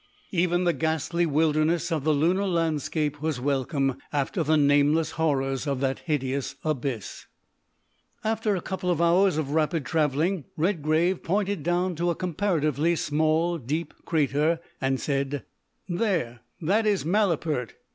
Even the ghastly wilderness of the lunar landscape was welcome after the nameless horrors of that hideous abyss. After a couple of hours' rapid travelling, Redgrave pointed down to a comparatively small, deep crater, and said: "There, that is Malapert.